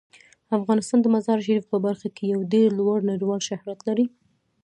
افغانستان د مزارشریف په برخه کې یو ډیر لوړ نړیوال شهرت لري.